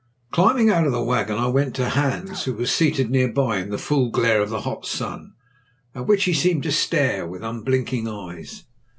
Climbing out of the wagon, I went to Hans, who was seated near by in the full glare of the hot sun, at which he seemed to stare with unblinking eyes.